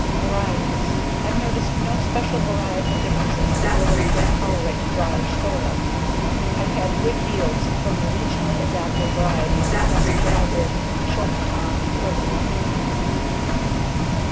Varieties: I've noticed no special varietal differences in ability to tolerate dryish soil. I've had good yields from the regionally adapted varieties Dusky Hybrid, Short Tom, and Early One.